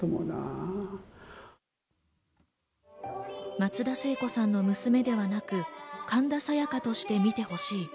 松田聖子さんの娘ではなく神田沙也加としてみてほしい。